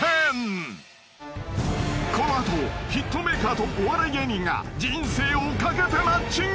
［この後ヒットメーカーとお笑い芸人が人生を懸けてマッチング！］